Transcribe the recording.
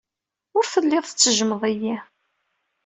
Ur telliḍ tettejjmeḍ-iyi.